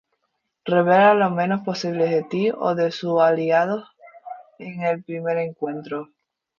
Revela lo menos posible de ti o de tus aliados en el primer encuentro.